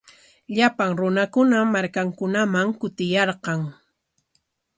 Llapan runakunam markankunaman kutiyarqan.